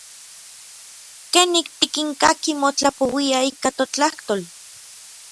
¿Kenik tikinkakij motlapouiaj ika totlajtol?